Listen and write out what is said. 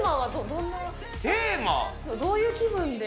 どういう気分で？